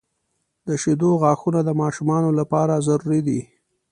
• د شیدو غاښونه د ماشومانو لپاره ضروري دي.